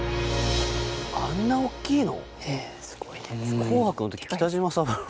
あんな大きいの！？